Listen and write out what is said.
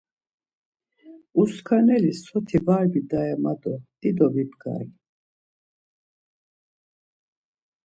Uskaneli soti var bidare ma do dido bibgari.